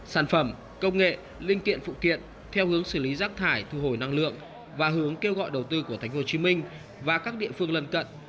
sản phẩm công nghệ linh kiện phụ kiện theo hướng xử lý rác thải thu hồi năng lượng và hướng kêu gọi đầu tư của thành phố hồ chí minh và các địa phương lần cận